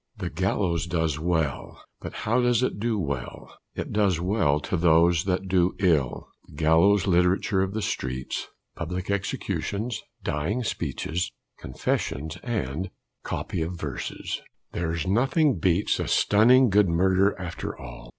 "The gallows does well: but how does it do well? It does well to those that do ill." [Illustration: THE EXECUTION.] DIVISION IV. THE "GALLOWS" LITERATURE OF THE STREETS. PUBLIC EXECUTIONS, DYING SPEECHES. CONFESSIONS, AND COPY OF VERSES. "There's nothing beats a stunning good murder after all."